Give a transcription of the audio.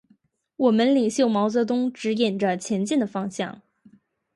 我们领袖毛泽东，指引着前进的方向。